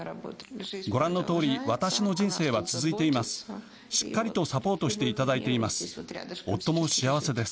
ご覧のとおり私の人生は続いています。